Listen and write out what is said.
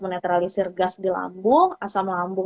menetralisir gas di lambung asam lambung